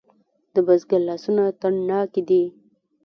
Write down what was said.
د بزګر لاسونه تڼاکې دي؟